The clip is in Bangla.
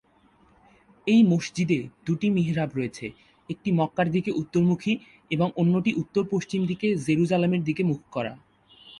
এই মসজিদে দুটি মিহরাব রয়েছে: একটি মক্কার দিকে উত্তরমুখী এবং অন্যটি উত্তর-পশ্চিম দিকে জেরুজালেমের দিকে মুখ করা।